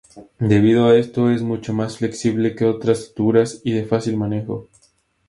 Debido a esto es mucho más flexible que otras suturas y de fácil manejo.